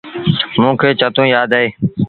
موݩ کي چتو يآد اهي۔